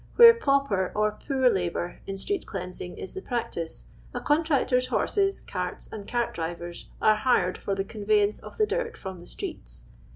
Where jiaup.'r or poor labour in fiirectclttansiiig is the practice, a con tractor's hordes, cart*, and c.irt drivers are hired l'»r the convey ance of the din from the streets.